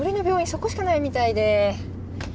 そこしかないみたいで。